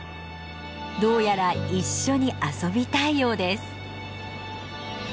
どうやら一緒に遊びたいようです。